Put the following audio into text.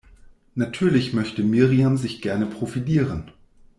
Natürlich möchte Miriam sich gerne profilieren.